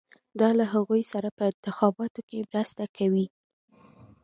دا له هغوی سره په انتخاباتو کې مرسته کوي.